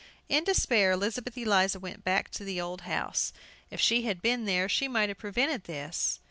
In despair Elizabeth Eliza went back to the old house. If she had been there she might have prevented this.